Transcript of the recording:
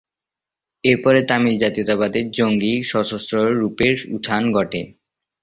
এর পরে তামিল জাতীয়তাবাদের জঙ্গি, সশস্ত্র রূপের উত্থান ঘটে।